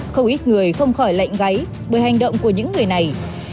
không ít người không khỏi lạnh gáy bởi hành động của những người này